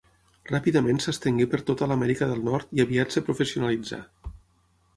Ràpidament s'estengué per tota l'Amèrica del Nord i aviat es professionalitzà.